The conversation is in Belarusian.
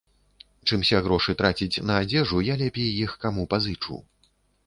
Чымся грошы траціць на адзежу, я лепей іх каму пазычу.